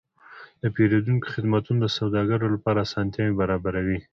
د پیرودونکو خدمتونه د سوداګرو لپاره اسانتیاوې برابروي.